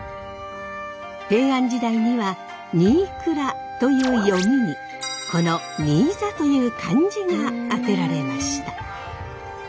平安時代には「にいくら」という読みにこの「新座」という漢字が当てられました。